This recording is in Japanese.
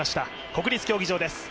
国立競技場です。